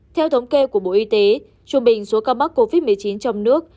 theo thống kê của bộ y tế trung bình số ca mắc covid một mươi chín trong nước